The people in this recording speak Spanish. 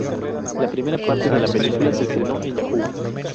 La primera parte de la película se estrenó en Yahoo!